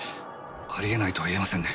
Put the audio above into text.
ありえないとは言えませんね。